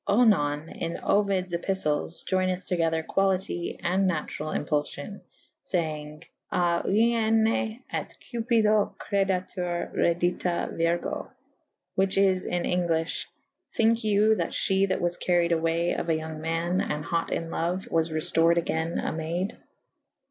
Oenon in Ovides epiltles ioyneth togyther qualytte and naturall impulfyon / fayenge A iuuene et Cupido credatur I'eddita virgo ? whiche is in Englyffhe. Thynke you that f he that was caried awaye of a yonge ma« / and hote in loue / was reltored agayne a mayde